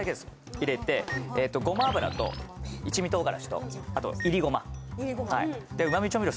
入れてごま油と一味唐辛子とあといりごまいりごまでうま味調味料